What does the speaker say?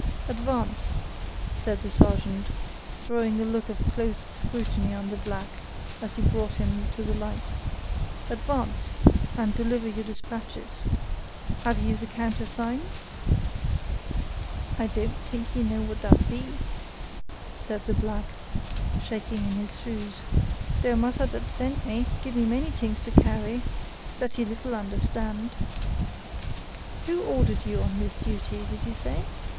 "Advance," said the sergeant, throwing a look of close scrutiny on the black, as he brought him to the light; "advance, and deliver your dispatches. Have you the countersign?" "I don't t'ink he know what dat be," said the black, shaking in his shoes, "dough massa dat sent me gib me many t'ings to carry, dat he little understand." "Who ordered you on this duty, did you say?"